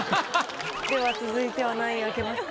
では続いては何位開けますか？